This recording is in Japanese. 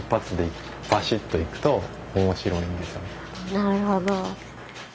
なるほど。